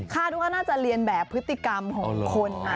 ว่าน่าจะเรียนแบบพฤติกรรมของคน